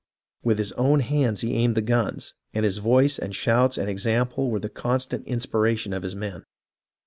With his own hands he aimed the guns, and his voice and shouts and example were the constant inspiration of his men.